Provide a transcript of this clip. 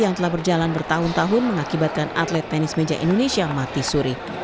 yang telah berjalan bertahun tahun mengakibatkan atlet tenis meja indonesia mati suri